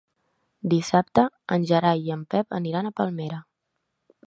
Dissabte en Gerai i en Pep aniran a Palmera.